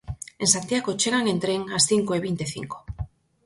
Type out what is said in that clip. En Santiago chegan en tren ás cinco e vinte e cinco.